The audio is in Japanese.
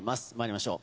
まいりましょう。